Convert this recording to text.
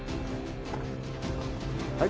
はい。